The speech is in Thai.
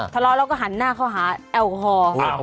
ทะเลาะแล้วก็หันหน้าเข้าหาแอลกอฮอล์